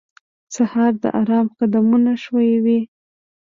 سهار د آرام قدمونه ښووي.